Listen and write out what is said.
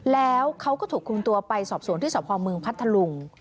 แล้วเขาก็ถูกคุมตัวไปสอบสวนที่สพเมืองพัทธลุง